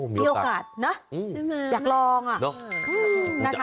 มีโอกาสอยากลอง